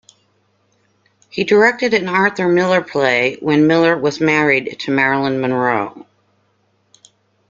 He directed an Arthur Miller play when Miller was married to Marilyn Monroe.